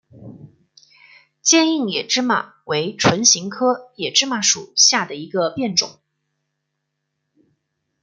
坚硬野芝麻为唇形科野芝麻属下的一个变种。